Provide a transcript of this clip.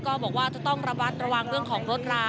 ก็บอกต้องระวัดประวัติเรื่องของรถรา